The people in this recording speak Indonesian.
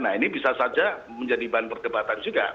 nah ini bisa saja menjadi bahan perdebatan juga